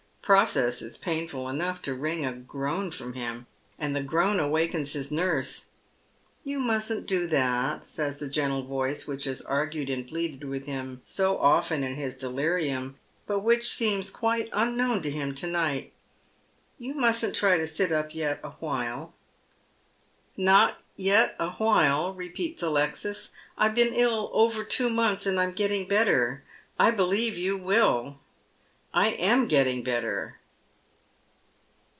The process is painful enough to wring a groan from him, and the groan awakens his nurse. " You mustn't do that," says the gentle voice which has argued and pleaded with him so often in his delirium, but which seems quite unknown to him to night. *' You mustn't try to sit up yet awhile." " Not yet awhile," repeats Alexis. " I've been ill over two months, and I'm getting better — I believe you wiU. I am getting better."